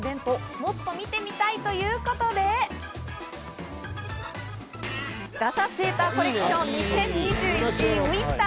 もっと見てみたいということで、ダサセーターコレクション２０２１ウィンター